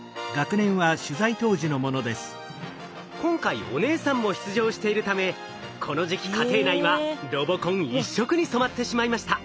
今回お姉さんも出場しているためこの時期家庭内はロボコン一色に染まってしまいました。